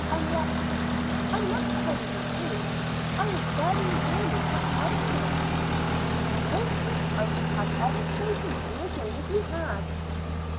And yet I must tell you the truth I was very nearly declining it." "I don't think I should ever have spoken to you again if you had."